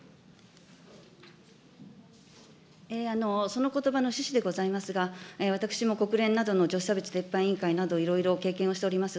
そのことばの趣旨でございますが、私も国連などの女性差別撤廃委員会などいろいろ経験をしております。